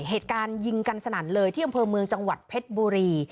เหตุการณ์ยิงกันสนั่นเลยที่อำเภอเมืองจังหวัดเพชรบุรี